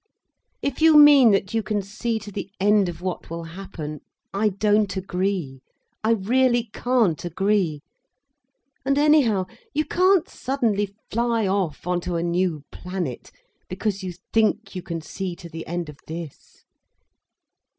"If you mean that you can see to the end of what will happen, I don't agree. I really can't agree. And anyhow, you can't suddenly fly off on to a new planet, because you think you can see to the end of this."